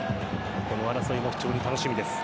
この争いも非常に楽しみです。